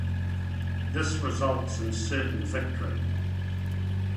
This results in certain victory.